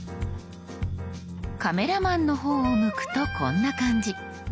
カメラマンの方を向くとこんな感じ。